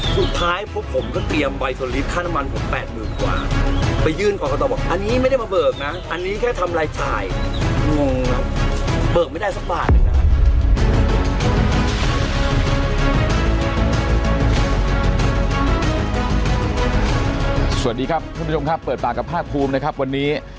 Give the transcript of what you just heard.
สวัสดีครับท่านผู้ชมครับเปิดปากกับภาคภูมินะครับวันนี้